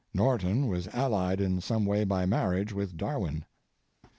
Norton was allied in some way by marriage with Darwin.